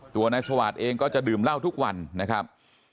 ตัวนายสวาสตร์เองก็จะดื่มเหล้าทุกวันนะครับ